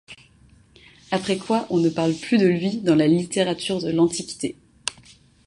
Après quoi on ne parle plus de lui dans la littérature de l’Antiquité.